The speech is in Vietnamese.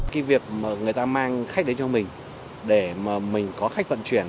cái việc mà người ta mang khách đến cho mình để mà mình có khách vận chuyển